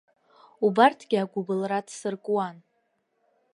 Убарҭгьы агәыбылра дсыркуан.